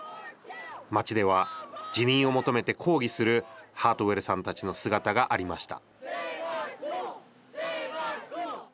町では辞任を求めて抗議するハートウェルさんたちの姿がありました。